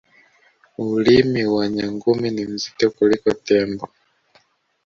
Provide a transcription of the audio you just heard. ulimi wa nyangumi ni mzito kuliko tembo